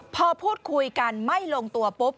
พอพูดคุยกันไม่ลงตัวปุ๊บ